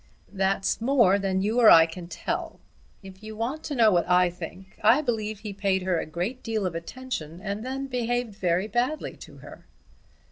"That's more than you or I can tell. If you want to know what I think, I believe he paid her a great deal of attention and then behaved very badly to her."